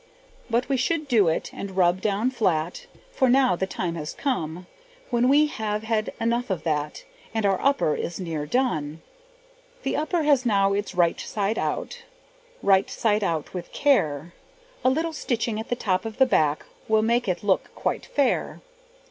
But we should do it, and rub down flat, For now the time has come When we have had enough of that, And our upper is near done. The upper has now its right side out, "Right side out with care;" A little stitching at the top of the back Will make it look quite fair.